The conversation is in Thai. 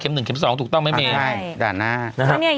๑เข็ม๒ถูกต้องไหมเมใช่ด่านหน้านะครับ